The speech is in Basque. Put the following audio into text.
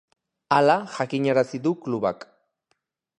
Hala jakinarazi du klubak.